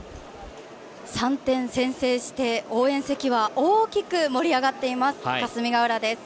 ３点先制して応援席は大きく盛り上がっている霞ヶ浦です。